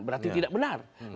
berarti tidak benar